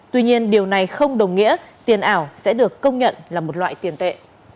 tuy nhiên điều này không đồng nghĩa tiền ảo sẽ được công nhận là một loại tiền tệ